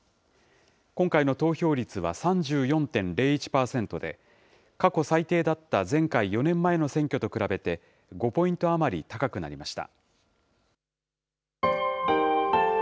今回の投票率は３４．０１％で、過去最低だった前回、４年前の選挙と比べて５ポイント余り高くなりました。